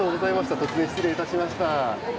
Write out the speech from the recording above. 突然失礼いたしました。